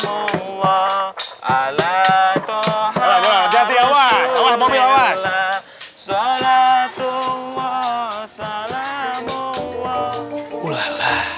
sholat allah sholat allah sholat allah sholat allah sholat allah